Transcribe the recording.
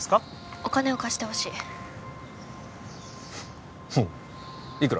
お金を貸してほしいうんいくら？